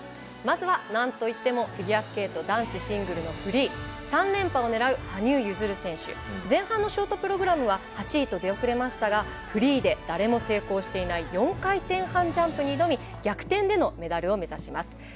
まずはなんといってもフィギュアスケート男子シングルのフリー３連覇を狙う羽生結弦選手前半のショートプログラムは８位と出遅れましたがフリーで誰も成功していない４回転半ジャンプに挑み逆転でのメダルを目指します。